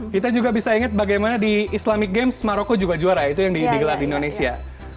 kita juga bisa ingat bagaimana di islamic games maroko juga juara itu yang digelar di indonesia